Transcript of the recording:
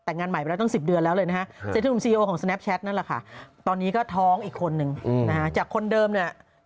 นั่นแหละค่ะตอนนี้ก็ท้องอีกคนนึงนะฮะจากคนเดิมเนี่ย